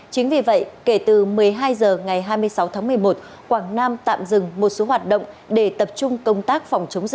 chính vì vậy kể từ một mươi hai h ngày hai mươi sáu tháng một mươi một quảng nam tạm dừng một số hoạt động để tập trung công tác phòng chống dịch